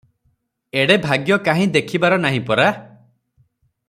ଏଡ଼େ ଭାଗ୍ୟ କାହିଁ ଦେଖିବାର ନାହିଁ ପରା!